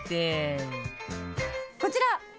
こちら！